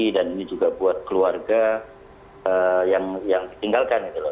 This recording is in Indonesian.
dan ini juga buat keluarga yang ditinggalkan